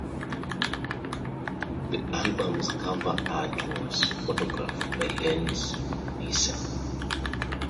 The album's cover art was photographed by Lance Mercer.